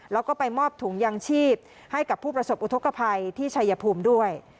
แล้วก็ไปมอบถุงยางชีพให้กับผู้ประสบอุทธกภัยที่ชัยภูมิด้วย